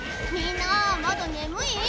みんなまだねむい？